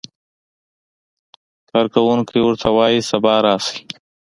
کارکوونکی ورته وایي سبا راشئ.